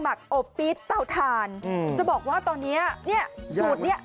ักอบปี๊บเตาถ่านอืมจะบอกว่าตอนเนี้ยเนี้ยสูตรเนี้ย